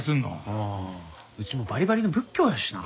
ああうちもバリバリの仏教やしな。